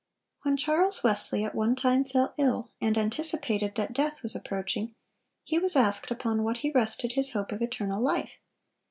When Charles Wesley at one time fell ill, and anticipated that death was approaching, he was asked upon what he rested his hope of eternal life.